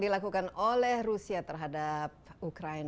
dan mereka membentuk sebuah halangan dan menyiap hadir ini